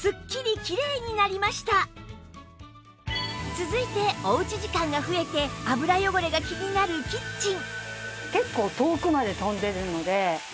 続いておうち時間が増えて油汚れが気になるキッチン